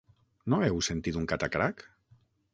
No heu sentit un catacrac?